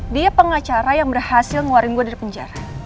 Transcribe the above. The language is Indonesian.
dia pengacara yang berhasil ngeluarin gue dari penjara